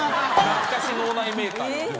懐かし脳内メーカーで。